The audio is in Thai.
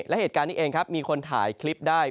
และเหตุการณ์นี้เองครับมีคนถ่ายคลิปได้